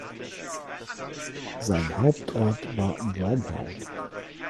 Sein Hauptort war Wormhout.